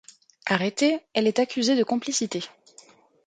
Arrêtée, elle est accusée de complicité.